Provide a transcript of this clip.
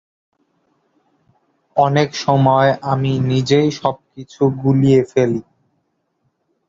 অনেক সময় আমি নিজেই সবকিছু গুলিয়ে ফেলি।